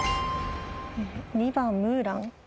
２番ムーラン。